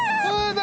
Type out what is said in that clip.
何？